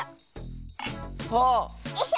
よいしょ。